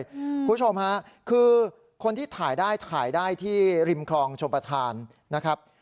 คุณผู้ชมฮะคือคนที่ถ่ายได้ถ่ายได้ที่ริมคลองชมประธานนะครับ